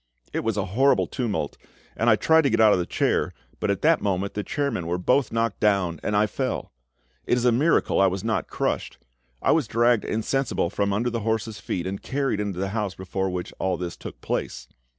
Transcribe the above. It was a horrible tumult, and I tried to get out of the chair, but at that moment the chairmen were both knocked down, and I fell. It is a miracle I was not crushed. I was dragged insensible from under the horses' feet and carried into the house before which all this took place.